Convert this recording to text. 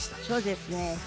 そうですね